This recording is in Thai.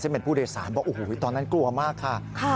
ซึ่งเป็นผู้โดยสารบอกโอ้โหตอนนั้นกลัวมากค่ะ